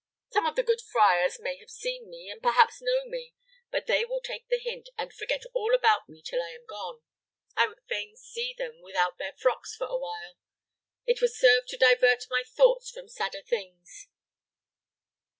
Some of the good friars may have seen me, and perhaps know me; but they will take the hint, and forget all about me till I am gone. I would fain see them without their frocks for awhile. It will serve to divert my thoughts from sadder things."